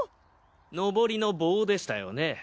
ノボリの棒でしたよね？